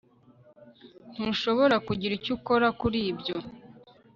Ntushobora kugira icyo ukora kuri ibyo